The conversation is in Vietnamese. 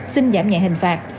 xin giảm nhạy hình phạt